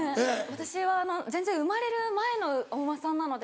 私は全然生まれる前のお馬さんなので。